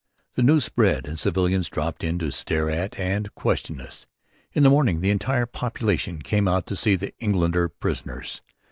The news spread, and civilians dropped in to stare at and question us. In the morning the entire population came to see the Engländer prisoners.